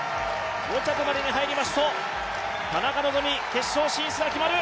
５着までに入りますと、田中希実、決勝進出が決まる。